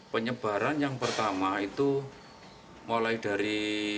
penyebaran yang pertama itu mulai dari